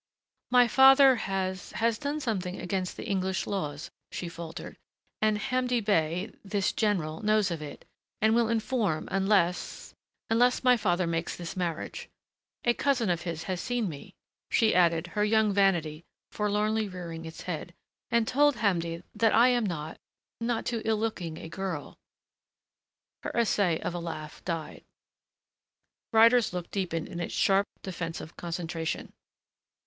"My father has has done something against the English laws," she faltered, "and Hamdi Bey, this general, knows of it, and will inform unless unless my father makes this marriage. A cousin of his has seen me," she added, her young vanity forlornly rearing its head, "and told Hamdi that I am not not too ill looking a girl " Her essay of a laugh died. Ryder's look deepened its sharp, defensive concentration.